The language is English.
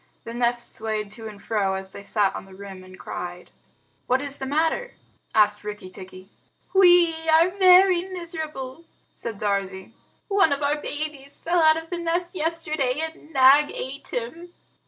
The nest swayed to and fro, as they sat on the rim and cried. "What is the matter?" asked Rikki tikki. "We are very miserable," said Darzee. "One of our babies fell out of the nest yesterday and Nag ate him."